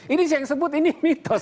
ini saya sebut ini mitos